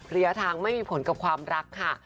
ระยะทางไม่มีผลกับความรักค่ะ